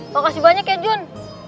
makasih banyak ya jun